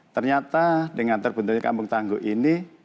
ternyata dengan terbentuknya kampung tangguh ini